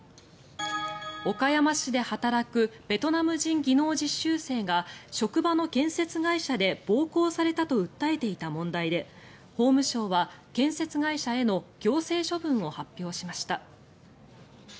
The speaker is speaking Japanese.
岡山市で働くベトナム人技能実習生が職場の建設会社で暴行されたと訴えていた問題で法務省は建設会社への行政処分を発表しました。